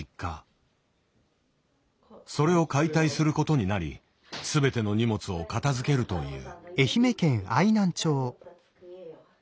それを解体することになり全ての荷物を片づけるという。